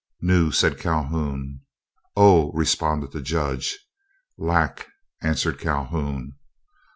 "Nu," said Calhoun. "Oh," responded the Judge. "Lac," answered Calhoun.